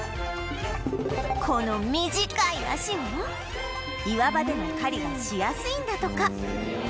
この短い足も岩場での狩りがしやすいんだとか